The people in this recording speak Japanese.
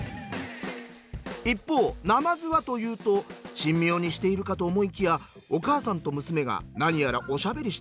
一方なまずはというと神妙にしているかと思いきやお母さんと娘が何やらおしゃべりしてますよ。